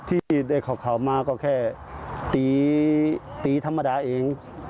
ที่ได้ข่าวมาก็แค่ตีตีธรรมดาเอง